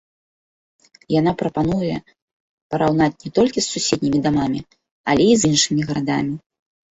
Яна прапануе параўнаць не толькі з суседнімі дамамі, але і з іншымі гарадамі.